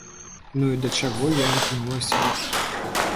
Ну і да чаго я імкнулася?